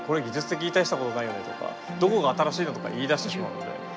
技術的に大したことないよねとかどこが新しいのとか言いだしてしまうので。